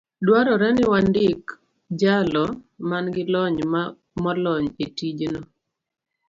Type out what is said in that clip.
dwarore ni wandik jalo man gi lony molony e tijno.